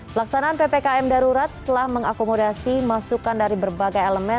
pelaksanaan ppkm darurat telah mengakomodasi masukan dari berbagai elemen